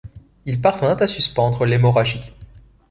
Il parvint à suspendre l’hémorragie.